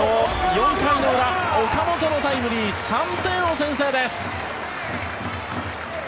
４回の裏、岡本のタイムリー３点を先制です。